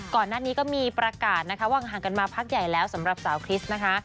ก่อนหน้านี้ก็มีประกาศนะคะว่าห่างกันมาพักใหญ่แล้วสำหรับสาวคริสต์นะคะ